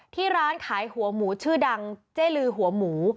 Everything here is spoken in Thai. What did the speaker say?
ที่ร้านขายหัวหมูชื่อดังเจลือหัวหมู